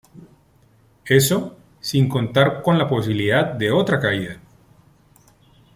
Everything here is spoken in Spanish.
Eso, sin contar con la posibilidad de otra caída.